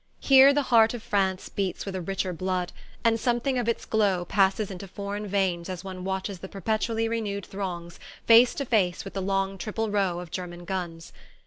Here the heart of France beats with a richer blood, and something of its glow passes into foreign veins as one watches the perpetually renewed throngs face to face with the long triple row of German guns.